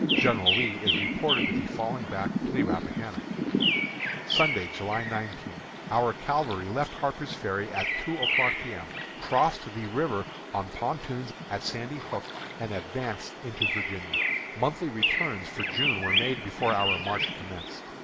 General Lee is reported to be falling back to the Rappahannock. Sunday, July 19. Our cavalry left Harper's Ferry at two o'clock P. M., crossed the river on pontoons at Sandy Hook, and advanced into Virginia. Monthly returns for June were made before our march commenced.